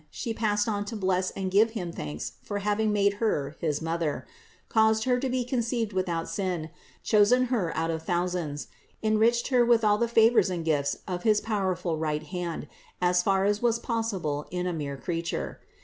She passed on to bless and give Him thanks for having made Her his Mother, caused Her to be conceived without sin, chosen Her out of thou sands, enriched Her with all the favors and gifts of his powerful right hand as far as was possible in a mere creature.